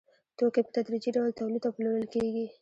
توکي په تدریجي ډول تولید او پلورل کېږي